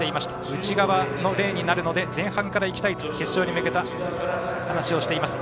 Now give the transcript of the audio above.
内側のレーンになるので前半からいきたいと決勝に向けた話をしています。